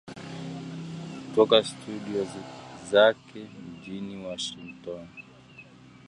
kutoka studio zake mjini Washington